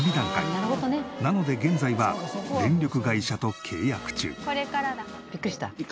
なので現在は電力会社と契約中。